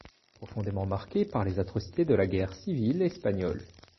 Il est profondément marqué par les atrocités de la guerre civile espagnole.